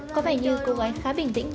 có phải như cô gái khá bình tĩnh